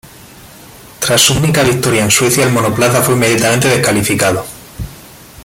Tras su única victoria en Suecia, el monoplaza fue inmediatamente descalificado.